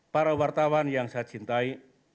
para wartawan yang saya cintai